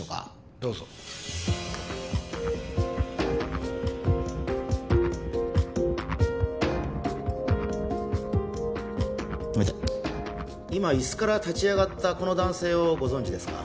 ・どうぞ止めて今椅子から立ち上がったこの男性をご存じですか？